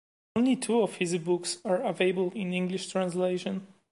Only two of his books are available in English translation.